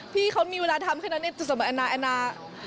พี่เขามีเวลาทำแค่นั้นจุดสมัยแอนนา